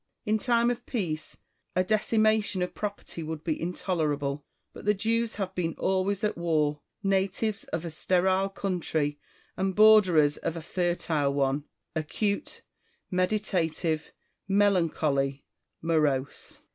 In time of peace, a decimation of property would be intoleral)le. But the Jews have been always at war ; natives of a sterile country and borderers of a fertile one, acute, meditative, melancholy, morose.